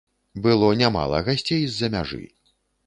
Было нямала гасцей з-за мяжы.